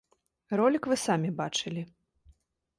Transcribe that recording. Ролік вы самі бачылі.